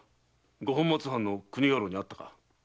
五本松藩の国家老に会ったか？